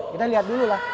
kita lihat dulu lah